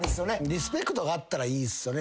リスペクトがあったらいいっすよね。